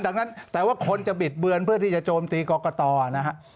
ดังนั้นแต่ว่าคนจะบิดเบือนเพื่อที่จะโจมตีกรกตนะฮะ